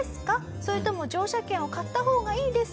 それとも乗車券を買った方がいいですか？」と聞きます。